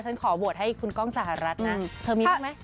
ฉันขอโหวตให้คุณก้องสหรัฐนะเธอมีบ้างไหม